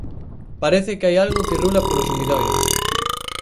Parece que hai algo que rula polos sumidoiros.